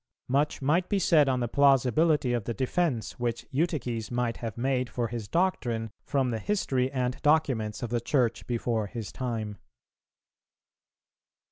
Much might be said on the plausibility of the defence, which Eutyches might have made for his doctrine from the history and documents of the Church before his time.